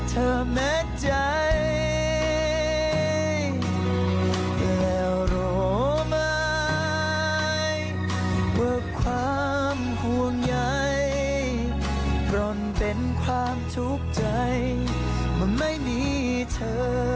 แต่มันเป็นความทุกข์ใจมันไม่มีเธอ